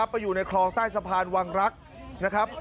ไปอยู่ในคลองใต้สะพานวังรักนะครับ